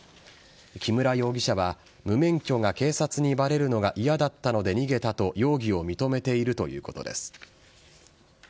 木村容疑者は無免許が警察にばれるのが嫌だったので逃げたと容疑を認めているということです。